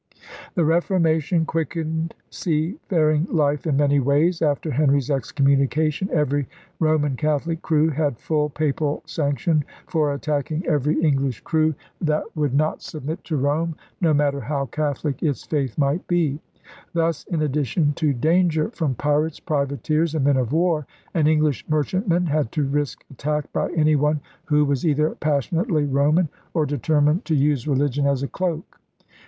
The Reformation quickened seafaring life in many ways. After Henry's excommunication every Roman Catholic crew had full Papal sanc tion for attacking every English crew that would KING HENRY VIII 29 not submit to Rome, no matter how CathoKc its faith might be. Thus, in addition to danger from pirates, privateers, and men of war, an English merchantman had to risk attack by any one who was either passionately Roman or determined to use religion as a cloak.